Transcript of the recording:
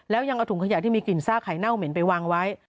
แล้วยังเอาถุงขยะที่มีกลิ่นซากไข่เน่าเหม็นไปวางไว้